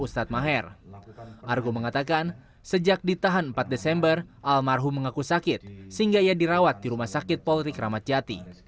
sejak ditahan empat desember almarhum mengaku sakit sehingga ia dirawat di rumah sakit polri kramatjati